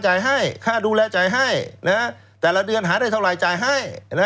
จ่ายให้คารักษารักษาดูแลจ่ายให้แต่ละเดือนหาได้เท่าไรจ่ายให้